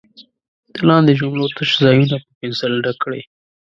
د لاندې جملو تش ځایونه په پنسل ډک کړئ.